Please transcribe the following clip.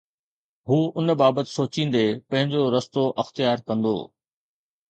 هو ان بابت سوچيندي پنهنجو رستو اختيار ڪندو